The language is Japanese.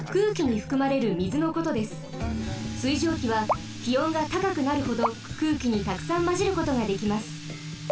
水蒸気はきおんがたかくなるほどくうきにたくさんまじることができます。